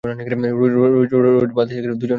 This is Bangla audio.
রোজ বলতি দুজন একসাথে যাই।